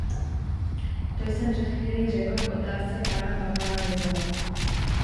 To jsem před chvílí řekl k otázce pana Paparizova.